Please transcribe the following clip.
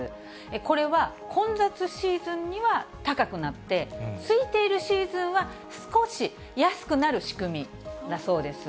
これは混雑シーズンには高くなって、すいているシーズンは少し安くなる仕組みだそうです。